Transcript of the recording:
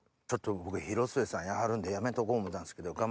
僕広末さんいはるんでやめとこ思うたんですけど。